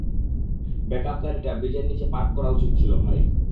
Backup গাড়িটা ব্রিজের নিচে পার্ক করা উচিত ছিল, ভাই।